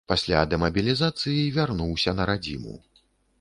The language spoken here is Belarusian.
Пасля дэмабілізацыі вярнуўся на радзіму.